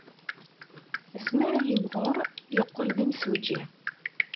Asmi ay yimɣur, yeqqel d imsujji.